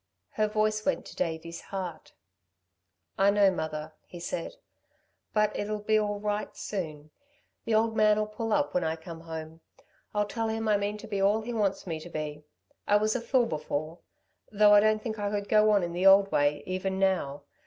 Her voice went to Davey's heart. "I know, mother," he said. "But it'll be all right soon. The old man'll pull up when I come home. I'll tell him I mean to be all he wants me to be. I was a fool before, though I don't think I could go on in the old way even now.